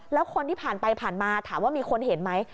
แล้วคนที่ผ่านไปผ่านมาถามว่ามีคนเห็นไหม